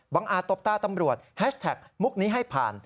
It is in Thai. อาจตบตาตำรวจแฮชแท็กมุกนี้ให้ผ่าน